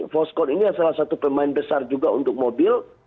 foscon ini adalah salah satu pemain besar juga untuk mobil